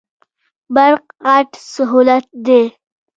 برق غټ سهولت دی.